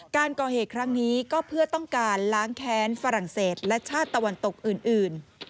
การก่อเหตุครั้งนี้ก็เพื่อต้องการล้างแค้นฝรั่งเศสและชาติตะวันตกอื่น